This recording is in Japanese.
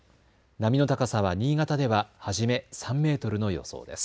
波の高さは新潟では初め３メートルの予想です。